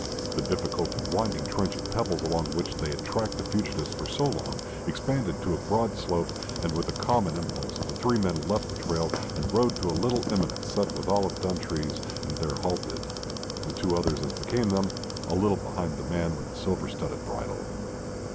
The difficult and winding trench of pebbles along which they had tracked the fugitives for so long, expanded to a broad slope, and with a common impulse the three men left the trail, and rode to a little eminence set with olive dun trees, and there halted, the two others, as became them, a little behind the man with the silver studded bridle.